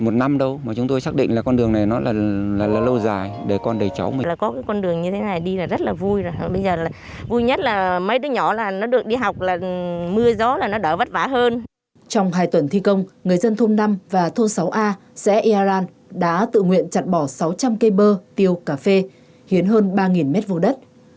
trong hai tuần thi công người dân thôn năm và thôn sáu a xã yaran đã tự nguyện chặt bỏ sáu trăm linh cây bơ tiêu cà phê hiến hơn ba m hai đất